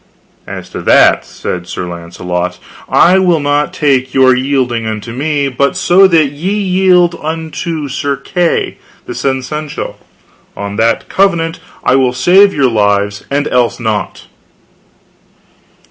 As to that, said Sir Launcelot, I will not take your yielding unto me, but so that ye yield you unto Sir Kay the seneschal, on that covenant I will save your lives and else not.